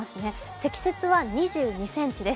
積雪は２２ｃｍです。